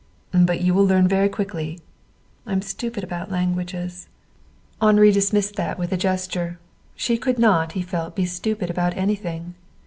"But you will learn very quickly." "I'm stupid about languages." Henri dismissed that with a gesture. She could not, he felt, be stupid about anything.